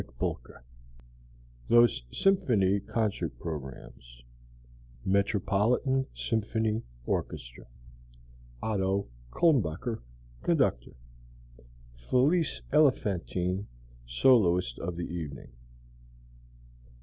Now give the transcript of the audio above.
JANGLES THOSE SYMPHONY CONCERT PROGRAMS METROPOLITAN SYMPHONY ORCHESTRA OTTO CULMBACHER, Conductor FELICE ELEFANTINE, Soloiste of the evening I.